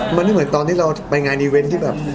มันไม่เหมือนตอนที่เราไปงานอีเวนต์ที่แบบ